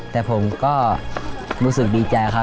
แต่ผมก็รู้สึกดีใจครับ